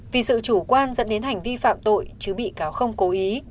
vì sự chủ quan dẫn đến hành vi phạm tội chứ bị cáo không cố ý